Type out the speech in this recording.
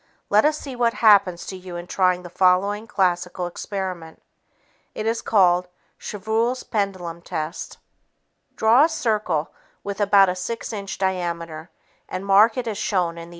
Let us see what happens to you in trying the following classical experiment. It is called the Chevreul's Pendulum test. Draw a circle with about a six inch diameter and mark it as shown in the illustration.